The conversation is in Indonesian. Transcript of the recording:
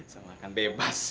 saya makan bebas